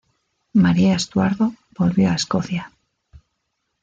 María Estuardo volvió a Escocia.